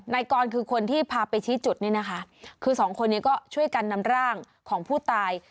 นายกรคือคนที่พาไปชี้จุดนี่นะคะคือสองคนนี้ก็ช่วยกันนำร่างของผู้ตาย